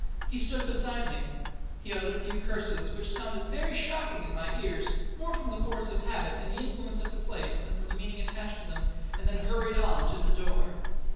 He stood beside me. He uttered a few curses, which sounded very shocking in my ears, more from the force of habit, and influence of the place, than from the meaning attached to them, and then hurried on to the door.